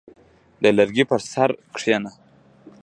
• د لرګي پر سر کښېنه.